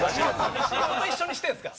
誰と一緒にしてるんですか。